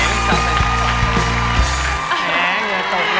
อเหนียวตกเลยนะ